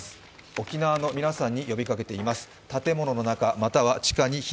沖縄の皆さんに呼びかけています。